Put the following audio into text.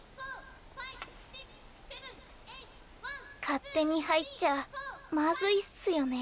勝手に入っちゃまずいっすよね。